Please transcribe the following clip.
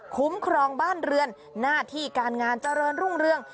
คุ้มครองบ้านเรือนหน้าที่การงานเจริญรุ่งเรือง